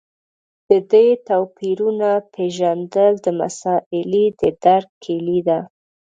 د دې توپیرونو پېژندل د مسألې د درک کیلي ده.